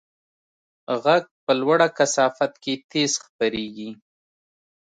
غږ په لوړه کثافت کې تېز خپرېږي.